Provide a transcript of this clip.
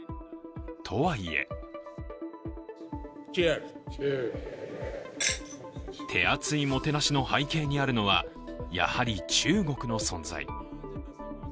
とはいえ手厚いもてなしの背景にあるのは、やはり中国の存在。